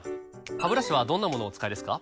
ハブラシはどんなものをお使いですか？